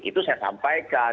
itu saya sampaikan